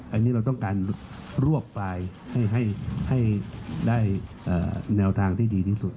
อันนี้เราต้องการรวบปลายให้ได้แนวทางที่ดีที่สุด